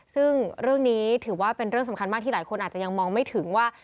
ซึ่งเรื่องนี้ถือว่าเป็นเรื่องสำคัญมากที่หลายคนอาจจะยังมองไม่ถึงว่า